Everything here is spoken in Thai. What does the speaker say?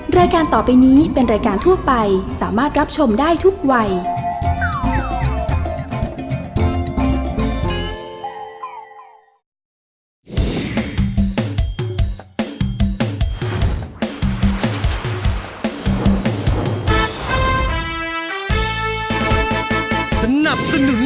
รายการต่อไปนี้เป็นรายการทั่วไปสามารถรับชมได้ทุกวัย